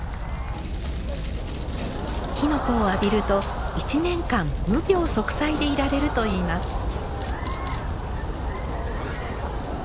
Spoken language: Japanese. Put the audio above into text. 火の粉を浴びると１年間無病息災でいられるといいます。